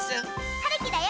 はるきだよ！